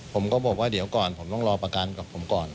ผมก็บอกว่าเดี๋ยวก่อนผมต้องรอประกันกับผมก่อน